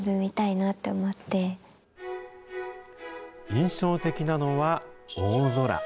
印象的なのは大空。